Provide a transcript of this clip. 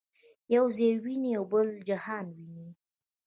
یو ځان ویني او بل جهان ویني.